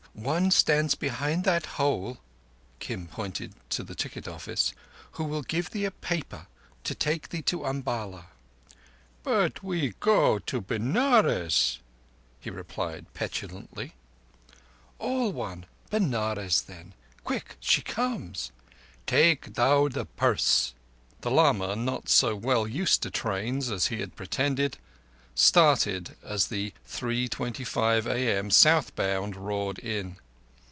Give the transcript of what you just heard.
One stands behind that hole"—Kim pointed to the ticket office—"who will give thee a paper to take thee to Umballa." "But we go to Benares," he replied petulantly. "All one. Benares then. Quick: she comes!" "Take thou the purse." The lama, not so well used to trains as he had pretended, started as the 3.25 a.m. south bound roared in.